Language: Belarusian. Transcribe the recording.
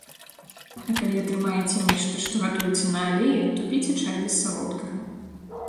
А калі атрымаеце нешта, што гатуецца на алеі, то піце чай без салодкага.